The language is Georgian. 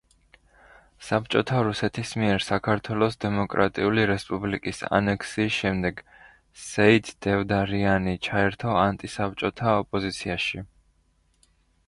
საბჭოთა რუსეთის მიერ საქართველოს დემოკრატიული რესპუბლიკის ანექსიის შემდეგ, სეით დევდარიანი ჩაერთო ანტი-საბჭოთა ოპოზიციაში.